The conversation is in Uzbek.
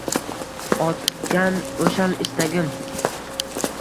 Otgan o’shal istagim.